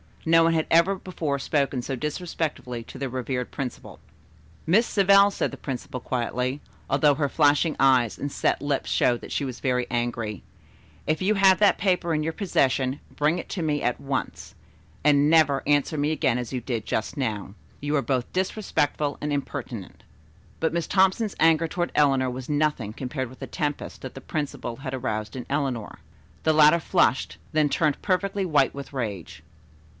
No one had ever before spoken so disrespectfully to their revered principal. "Miss Savell," said the principal quietly, although her flashing eyes and set lips showed that she was very angry, "if you have that paper in your possession, bring it to me at once, and never answer me again as you did just now. You are both disrespectful and impertinent." But Miss Thompson's anger toward Eleanor was nothing compared with the tempest that the principal had aroused in Eleanor. The latter flushed, then turned perfectly white with rage.